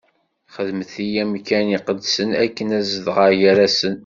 Xedmet-iyi amkan iqedsen akken ad zedɣeɣ gar-asen.